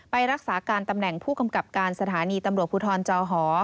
ไปรักษาการตำแหน่งผู้กำกับการสถานีตำรวจภูทรจอหอ